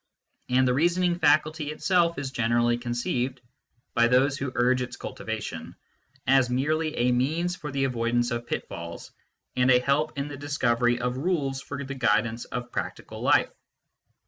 And the reasoning faculty itself is generally conceived, by those who urge its cultivation, as merely a means for the avoid ance of pitfalls and a help in the discovery of rules for the guidance of practical life.